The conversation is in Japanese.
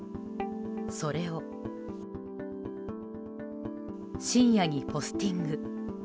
それを、深夜にポスティング。